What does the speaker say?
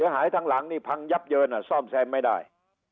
หายทั้งหลังนี่พังยับเยินซ่อมแซมไม่ได้